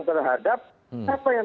terhadap siapa yang